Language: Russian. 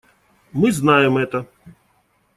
Мы знаем это.